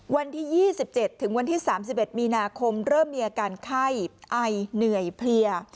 วันที่๒๗ถึงวันที่๓๑มีนาคมเริ่มมีอาการไข้ไอเหนื่อยเพลีย